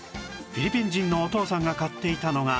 フィリピン人のお父さんが買っていたのが